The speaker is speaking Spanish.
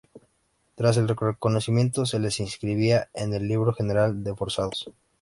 Tras el reconocimiento, se les inscribía en el libro general de forzados.